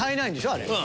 あれ。